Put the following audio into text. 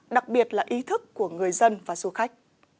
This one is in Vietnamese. đặc biệt là ý thức của người dân và du khách